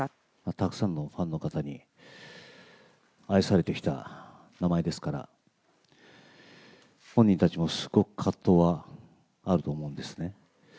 たくさんのファンの方に愛されてきた名前ですから、本人たちもすごく葛藤はあると思うんですね。